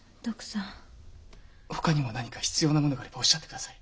ほかにも何か必要なものがあればおっしゃって下さい。